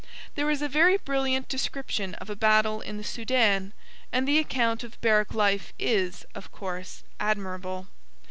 There is a very brilliant description of a battle in the Soudan, and the account of barrack life is, of course, admirable.